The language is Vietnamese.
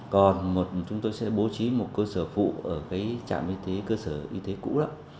còn chúng tôi sẽ bố trí một cơ sở phụ ở trạm y tế cơ sở y tế cũ đó